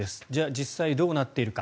実際どうなっているか。